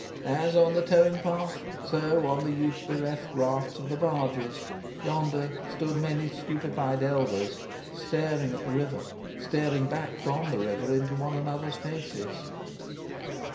As on the towing path, so on the youth bereft rafts of the barges, yonder, stood many stupefied elders, staring at the river, staring back from the river into one another's faces.